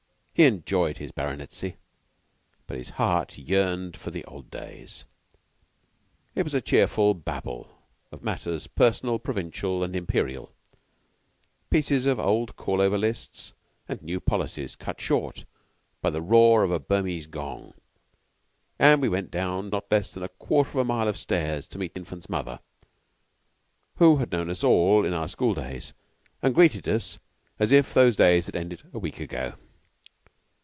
He enjoyed his baronetcy, but his heart yearned for the old days. It was a cheerful babel of matters personal, provincial, and imperial, pieces of old call over lists, and new policies, cut short by the roar of a Burmese gong, and we went down not less than a quarter of a mile of stairs to meet Infant's mother, who had known us all in our school days and greeted us as if those had ended a week ago.